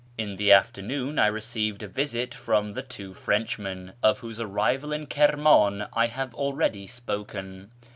In the afternoon I received a visit from the two Frenchmen of whose arrival in Kirman I have already spoken.